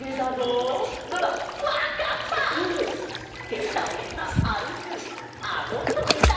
ペタペタあるくあのとりだ！